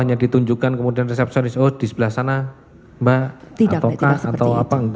hanya ditunjukkan kemudian resepsionis oh di sebelah sana mbak atau kas atau apa enggak